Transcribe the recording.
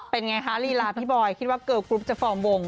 เป็นอย่างไรคะลีราพี่บอยคิดว่าเกอร์กรุ๊ปจะฝ่องวง